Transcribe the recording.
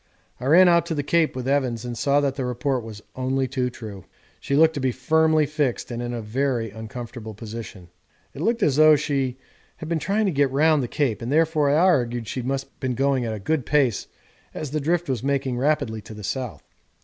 I ran out to the Cape with Evans and saw that the report was only too true. She looked to be firmly fixed and in a very uncomfortable position. It looked as though she had been trying to get round the Cape, and therefore I argued she must have been going a good pace as the drift was making rapidly to the south.